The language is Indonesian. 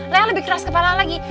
layang lebih keras kepala lagi